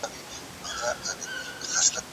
موږ باید د ډاکتر لارښوونې په پام کې ونیسو.